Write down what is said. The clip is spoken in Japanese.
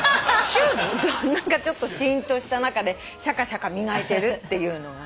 何かちょっとしーんとした中でシャカシャカ磨いてるっていうのがね。